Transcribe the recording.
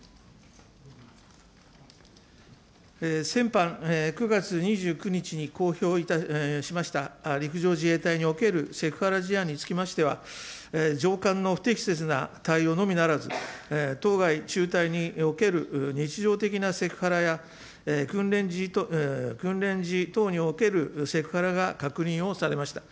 先般、９月２９日に公表しました陸上自衛隊におけるセクハラ事案につきましては、上官の不適切な対応のみならず、当該中隊における日常的なセクハラや、訓練時等におけるセクハラが確認をされました。